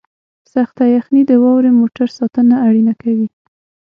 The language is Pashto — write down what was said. سخته یخنۍ د واورې موټر ساتنه اړینه کوي